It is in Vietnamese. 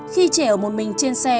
khi trẻ ở một mình trên xe